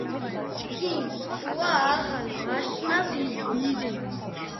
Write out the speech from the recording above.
ჩქიმ სკუა ახალ მაშნას იიდენს